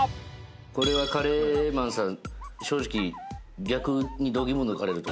これはカレーマンさん正直逆に度肝抜かれると。